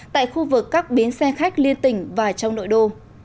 tại khu vực các bến xe khách liên tỉnh và trong nội đô